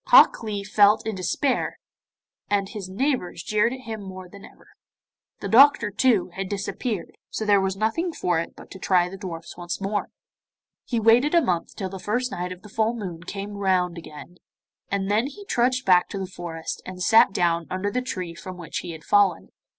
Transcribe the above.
Hok Lee felt in despair, and his neighbours jeered at him more than ever. The doctor, too, had disappeared, so there was nothing for it but to try the dwarfs once more. He waited a month till the first night of the full moon came round again, and then he trudged back to the forest, and sat down under the tree from which he had fallen.